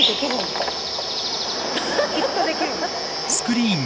きっとできるの。